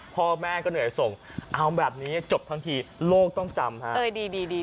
พ่อแม่ก็เหนื่อยส่งเอาแบบนี้จบทั้งทีโลกต้องจำฮะดี